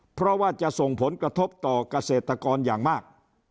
เพราะว่าจะส่งผลกระทบต่อเกษตรกรอย่างมาก